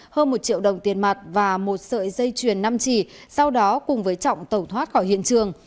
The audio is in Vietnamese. hơn một triệu đồng tiền mặt và một sợi dây chuyền năm trì sau đó cùng với trọng tẩu thoát khỏi hiện trường